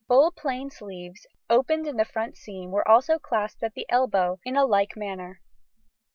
Full plain sleeves, opened in the front seam, were also clasped at the elbow in a like manner.